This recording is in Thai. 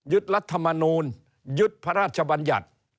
รัฐมนูลยึดพระราชบัญญัติ